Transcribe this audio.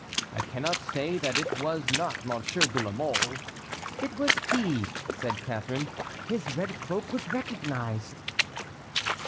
I cannot say that it was not Monsieur de la Mole"— "It was he," said Catharine. "His red cloak was recognized."